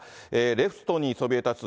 レフトにそびえたつ